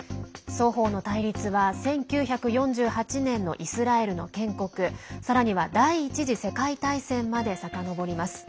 双方の対立は１９４８年のイスラエルの建国さらには、第１次世界大戦までさかのぼります。